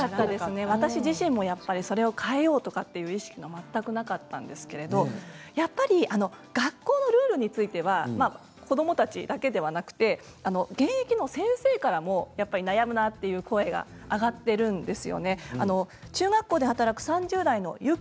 私自身もそれを変えようという意識は全くなかったんですけれどやっぱり学校のルールについては子どもたちだけではなく現役の先生からも悩むなという声があがっています。